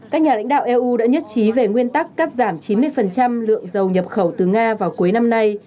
các nhà lãnh đạo eu đã nhất trí về nguyên tắc cắt giảm chín mươi lượng dầu nhập khẩu từ nga vào cuối năm nay